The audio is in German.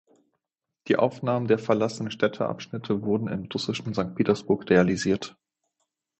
Die Aufnahmen der verlassenen Städteabschnitte wurden im russischen Sankt Petersburg realisiert.